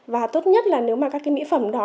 và tốt nhất là nếu mà các cái mỹ phẩm đó